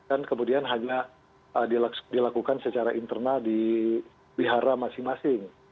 dan kemudian hanya eee dilaks dilakukan secara internal di bihara masing masing